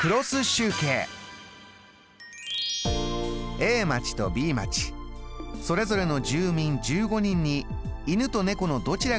Ａ町とＢ町それぞれの住民１５人に犬と猫のどちらが好きか